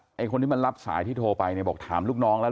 การที่รับสายที่โทรไปบอกถามลูกน้องแล้ว